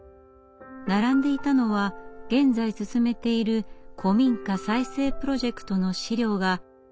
並んでいたのは現在進めている古民家再生プロジェクトの資料が６軒分。